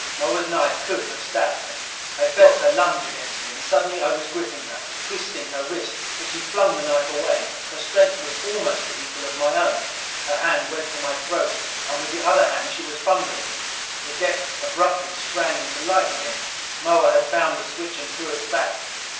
Moa's knife could have stabbed me. I felt her lunge against me. And suddenly I was gripping her, twisting her wrist. But she flung the knife away. Her strength was almost the equal of my own. Her hand went for my throat, and with the other hand she was fumbling. The deck abruptly sprang into light again. Moa had found the switch and threw it back.